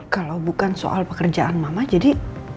kalau bukan soal pekerjaan mama jadi